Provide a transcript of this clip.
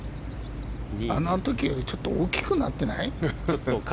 あの時よりちょっと大きくなってない？